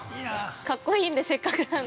◆格好いいんで、せっかくなんで。